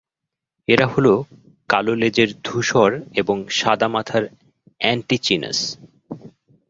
এরা হলো কালো লেজের ধূসর এবং সাদা মাথার অ্যান্টিচিনাস।